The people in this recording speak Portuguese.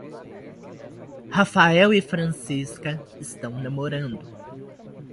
Rafael e Francisca estão namorando.